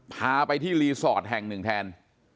พาไปที่รีสอร์ทแห่งหนึ่งแทน